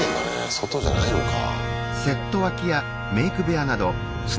外じゃないのか。